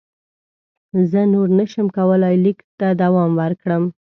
زه نور نه شم کولای لیک ته دوام ورکړم.